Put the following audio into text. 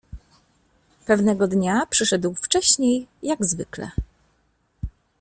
Pewnego dnia przyszedł wcześniej jak zwykle.